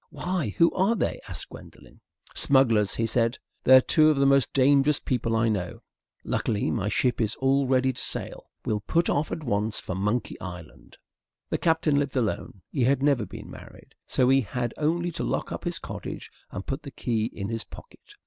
"Why, who are they?" asked Gwendolen. "Smugglers," he said. "They're two of the most dangerous people I know. Luckily my ship is all ready to sail. We'll put off at once for Monkey Island." The Captain lived alone. He had never been married. So he had only to lock up his cottage and put the key in his pocket.